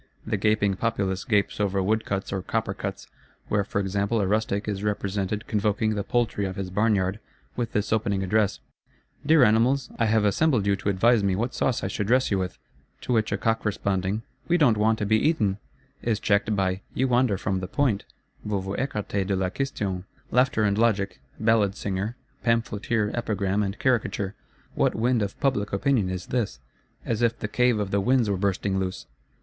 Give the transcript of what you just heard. The gaping populace gapes over Wood cuts or Copper cuts; where, for example, a Rustic is represented convoking the poultry of his barnyard, with this opening address: 'Dear animals, I have assembled you to advise me what sauce I shall dress you with;' to which a Cock responding, 'We don't want to be eaten,' is checked by 'You wander from the point (Vous vous écartez de la question).' Laughter and logic; ballad singer, pamphleteer; epigram and caricature: what wind of public opinion is this,—as if the Cave of the Winds were bursting loose!